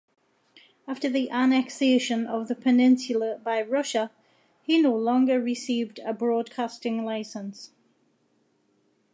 After the annexation of the peninsula by Russia, he no longer received a broadcasting license.